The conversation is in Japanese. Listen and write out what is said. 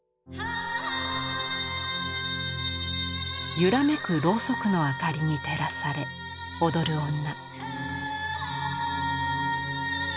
ゆらめくろうそくの明かりに照らされ踊る女。